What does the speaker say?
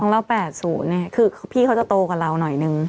เรา๘๐เนี่ยคือพี่เขาจะโตกว่าเราหน่อยนึง